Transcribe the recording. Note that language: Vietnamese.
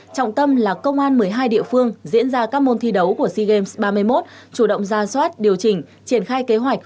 trọng tâm là công an một mươi hai địa phương diễn ra các môn thi đấu của sea games ba mươi một chủ động ra soát điều chỉnh triển khai kế hoạch